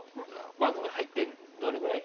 番組入ってどれぐらい？